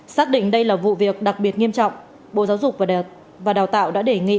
xác định đây là vụ việc đặc biệt nghiêm trọng bộ giáo dục và đào tạo đã đề nghị